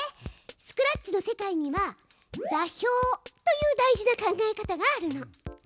スクラッチの世界には座標という大事な考え方があるの。